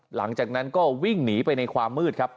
หลังจากนั้นก็วิ่งหนีไปในความมืดครับ